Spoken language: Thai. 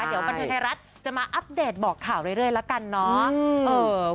เดี๋ยวบันเทิงไทยรัฐจะมาอัปเดตบอกข่าวเรื่อยละกันเนาะ